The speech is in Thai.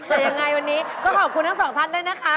แต่ยังไงวันนี้ก็ขอบคุณทั้งสองท่านด้วยนะคะ